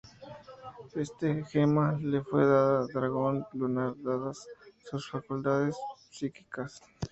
Esta gema le fue dada a Dragón Lunar, dadas sus facultades psíquicas.